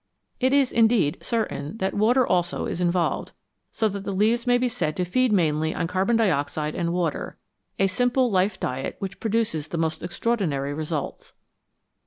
It is, indeed, certain that water also is involved, so that the leaves may be said to feed mainly on carbon dioxide and water, a simple life diet which produces the most extraordinary results.